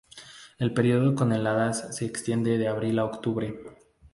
El período con heladas se extiende de abril a octubre.